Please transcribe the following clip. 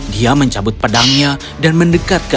dia mencabut pedangnya dan mendekat ke arah clara